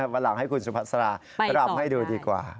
วันหลังให้คุณสุภาษารำให้ดูดีกว่า